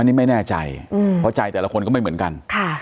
อันนี้ไม่แน่ใจเพราะใจแต่ละคนก็ไม่เหมือนกัน